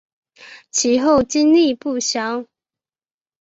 其后经历不详。